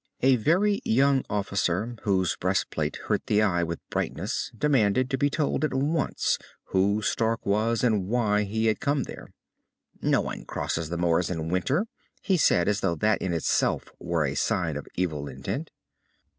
A very young officer whose breastplate hurt the eye with brightness demanded to be told at once who Stark was and why he had come there. "No one crosses the moors in winter," he said, as though that in itself were a sign of evil intent.